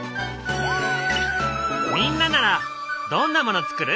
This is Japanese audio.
みんなならどんなものつくる？